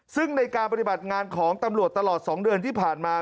ซึ่งในการปฏิบัติงานของตำรวจตลอด๒เดือนที่ผ่านมา